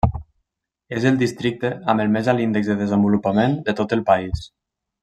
És el districte amb el més alt índex de desenvolupament de tot el país.